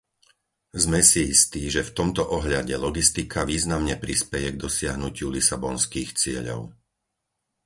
Sme si istí, že v tomto ohľade logistika významne prispeje k dosiahnutiu lisabonských cieľov.